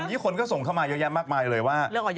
นี่คนก็ส่งเข้ามาเยอะแยะมากมายเลยว่า